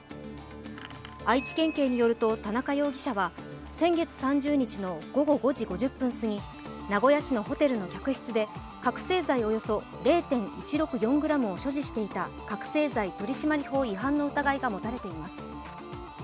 愛知県警によると田中容疑者は先月３０日の午後５時５０分すぎ名古屋市のホテルの客室で覚醒剤およそ０．１６４ｇを所持していた覚醒剤取締法違反の疑いが持たれています。